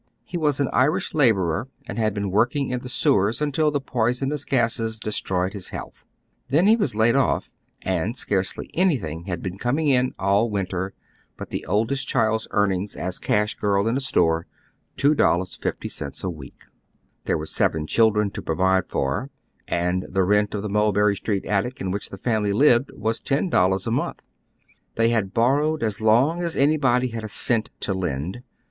He was an Irish laborer, and had been working in the sewers until the poisonous gases destroyed his health. Then he was laid off, and scarcely anything had been coming in all winter but the oldest child's earn ings as cash girl in a store, $3.50 a week. There were seven children to pi ovide for, and the rent of the Mulberry Street attic in which the family lived was $10 a jnonth. They had borrowed as long as anybody had a cent to lend.